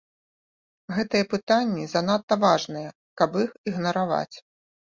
Гэтыя пытанні занадта важныя, каб іх ігнараваць.